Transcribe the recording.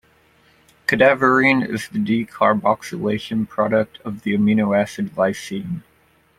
Cadaverine is the decarboxylation product of the amino acid lysine.